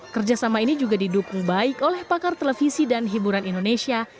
kerjasama ini juga didukung baik oleh pakar televisi dan hiburan indonesia